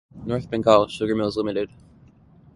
North Bengal Sugar Mills Limited.